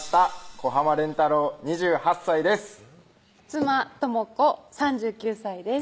小廉太郎２８歳です妻・倫子３９歳です